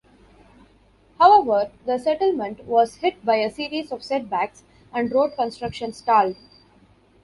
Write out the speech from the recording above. However, the settlement was hit by a series of setbacks and road construction stalled.